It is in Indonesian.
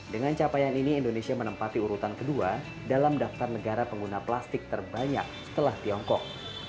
dengan capaian ini indonesia menempati urutan kedua dalam daftar negara pengguna plastik terbanyak setelah tiongkok